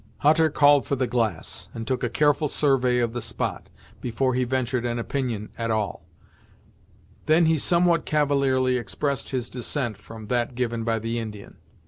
Hutter called for the glass, and took a careful survey of the spot, before he ventured an opinion, at all; then he somewhat cavalierly expressed his dissent from that given by the Indian.